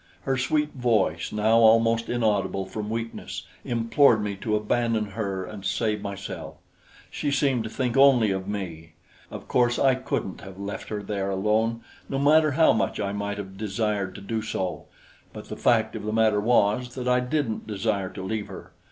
Her sweet voice, now almost inaudible from weakness, implored me to abandon her and save myself she seemed to think only of me. Of course I couldn't have left her there alone, no matter how much I might have desired to do so; but the fact of the matter was that I didn't desire to leave her.